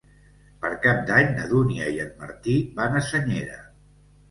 Per Cap d'Any na Dúnia i en Martí van a Senyera.